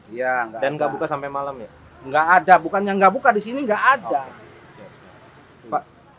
iya dan enggak buka sampai malam ya enggak ada bukannya enggak buka di sini enggak ada pak